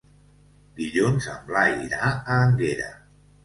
Dilluns en Blai irà a Énguera.